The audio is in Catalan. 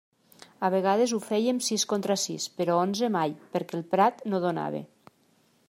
A vegades ho fèiem sis contra sis, però onze mai perquè el prat no donava.